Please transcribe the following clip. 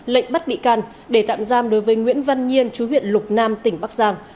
lệnh bắt bị can để tạm giam đối với nguyễn văn nhiên chú huyện lục nam tỉnh bắc giang